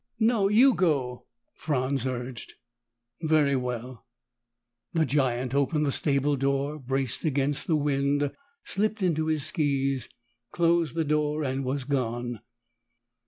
"No, you go," Franz urged. "Very well." The giant opened the stable door, braced against the wind, slipped into his skis, closed the door and was gone.